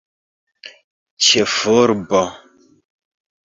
ĉefurbo